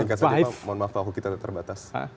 singkat saja pak mohon maaf waktu kita terbatas